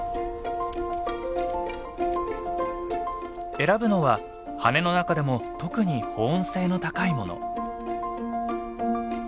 選ぶのは羽根の中でも特に保温性の高いもの。